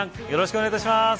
よろしくお願いします。